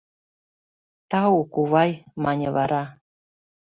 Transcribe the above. — Тау, кувай, — мане вара.